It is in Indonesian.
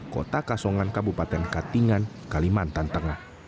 kota kasongan kabupaten katingan kalimantan tengah